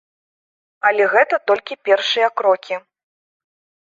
Але гэта толькі першыя крокі.